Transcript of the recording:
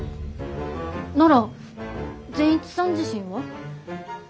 なら善一さん自身は。